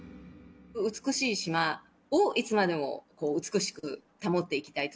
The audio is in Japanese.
美しい島を、いつまでも美しく保っていきたいと。